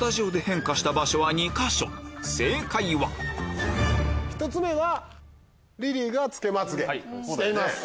正解は１つ目はリリーがつけまつげをしてます。